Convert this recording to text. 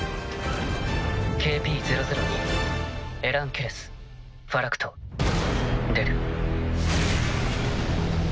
ＫＰ００２エラン・ケレスファラクト出る。